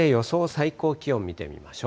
最高気温見てみましょう。